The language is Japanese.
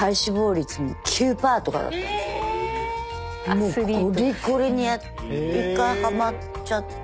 もうゴリゴリに一回ハマっちゃって。